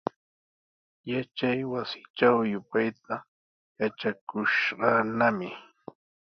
Yachaywasitraw yupayta yatrakushqanami.